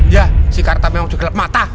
ya si karta memang ceklap mata